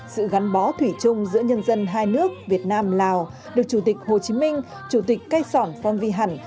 sự gắn bó thủy chung giữa nhân dân hai nước việt nam lào được chủ tịch hồ chí minh chủ tịch cây sỏn phong vi hẳn